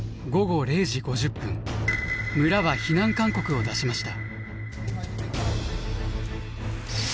村は避難勧告を出しました。